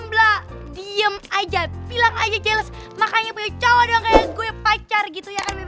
sambla diem aja bilang aja jealous makanya punya cowok doang kayak gue pacar gitu ya kan beb